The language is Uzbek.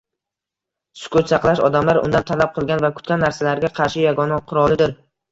Sukut saqlash – odamlar undan talab qilgan va kutgan narsalarga qarshi yagona qurolidir.